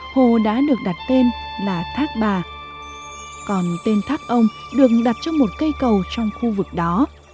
hồ đã được đặt tên là thác bà còn tên thác ông được đặt trong một cây cầu trong khu vực đó